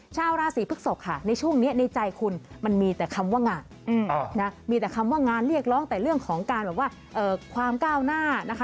ชาวราศีพฤกษกค่ะในช่วงนี้ในใจคุณมันมีแต่คำว่างานมีแต่คำว่างานเรียกร้องแต่เรื่องของการแบบว่าความก้าวหน้านะคะ